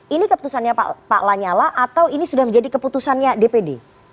ini keputusannya pak lanyala atau ini sudah menjadi keputusannya dpd